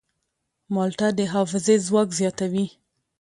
مالټه د حافظې ځواک زیاتوي.